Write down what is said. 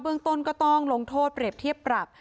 ต้นก็ต้องลงโทษเปรียบเทียบปรับ